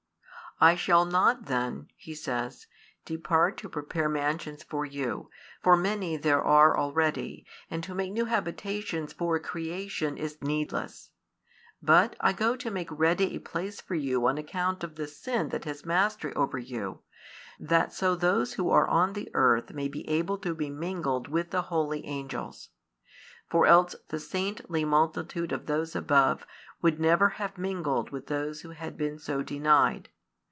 "I shall not then," He says, "depart to prepare mansions for you, for many there are already, and to make new habitations for creation is needless; but I go to make ready a place for you on account of the sin that has mastery over you, that so those who are on the earth may be able to be mingled with the holy angels; for else the saintly multitude of those above would never have mingled with those who had been so denied.